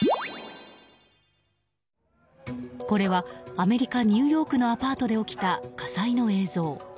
これはアメリカニューヨークのアパートで起きた火災の映像。